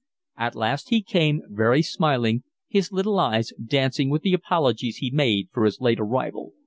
At last he came, very smiling, his little eyes dancing with the apologies he made for his late arrival.